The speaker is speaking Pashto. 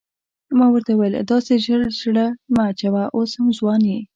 ما ورته وویل داسې ژر زړه مه اچوه اوس هم ځوان یې.